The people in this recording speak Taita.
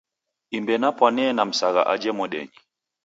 Imbe napwanee na Msagha aja modenyi.